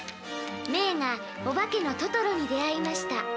メイがお化けのトトロに出会いました。